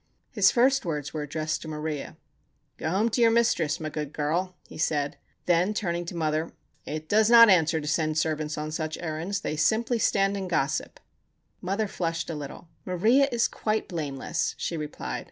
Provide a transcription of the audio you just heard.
His first words were addressed to Maria. "Go home to your mistress, my good girl," he said. Then, turning to mother,—"It does not answer to send servants on such errands. They simply stand and gossip." Mother flushed a little. "Maria is quite blameless," she replied.